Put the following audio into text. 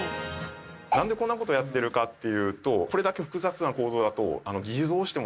何でこんなことをやってるかっていうとこれだけ複雑な構造だと。